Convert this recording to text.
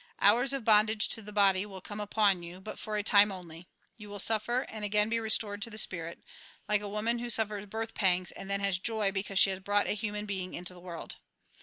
Hours of bondage to the body will come upon you, but for a time only ; you will suffer, and again be restored to the spirit, like a woman who suffers birth pangs, and then has joy because she has brought a human being into the world.